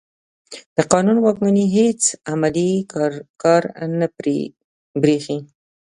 د قانون واکمني هېڅ عملي کار نه برېښي.